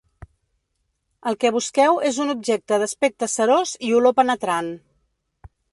El que busqueu és un objecte d’aspecte cerós i olor penetrant.